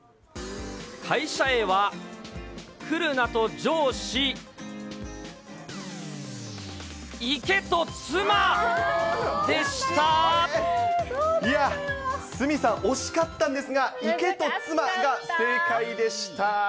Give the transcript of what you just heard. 会社へは来るなと上司、鷲見さん、惜しかったんですが、行けと妻が正解でした。